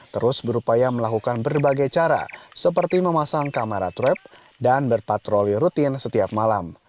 terus berupaya melakukan berbagai cara seperti memasang kamera trap dan berpatroli rutin setiap malam